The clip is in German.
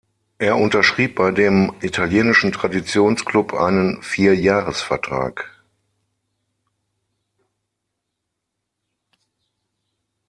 Er unterschrieb bei dem italienischen Traditionsklub einen Vierjahresvertrag.